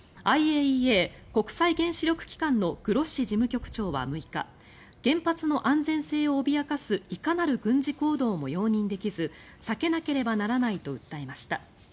ＩＡＥＡ・国際原子力機関のグロッシ事務局長は６日原発の安全性を脅かすいかなる軍事行動も容認できず避けなければならないと訴えました。